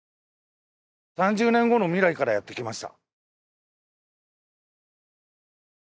３０年後の未来からやって来ました。